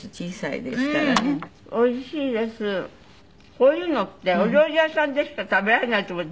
こういうのってお料理屋さんでしか食べられないと思って。